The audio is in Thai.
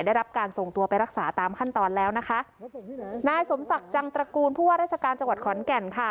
ได้รับการส่งตัวไปรักษาตามขั้นตอนแล้วนะคะนายสมศักดิ์จังตระกูลผู้ว่าราชการจังหวัดขอนแก่นค่ะ